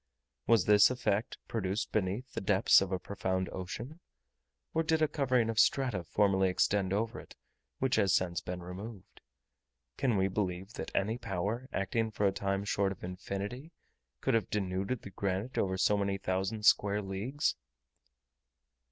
Was this effect produced beneath the depths of a profound ocean? or did a covering of strata formerly extend over it, which has since been removed? Can we believe that any power, acting for a time short of infinity, could have denuded the granite over so many thousand square leagues?